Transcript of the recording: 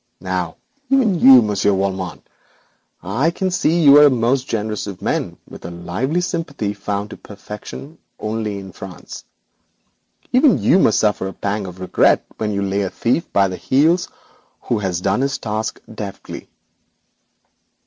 Now even you, Monsieur Valmont (I can see you are the most generous of men, with a lively sympathy found to perfection only in France), even you must suffer a pang of regret when you lay a thief by the heels who has done his task deftly.'